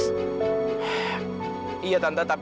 iya tante tapi di rumah kontrakannya om yus